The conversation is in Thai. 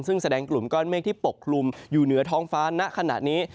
ซึ่งแสดงกลุ่มก้อนเมฆที่ปกคลุมอยู่เหนือท้องฟ้าณขณะนี้